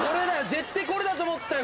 絶対これだと思ったよ。